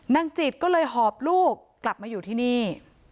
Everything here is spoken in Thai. นางจิตก็เลยหอบลูกกลับมาอยู่ที่นี่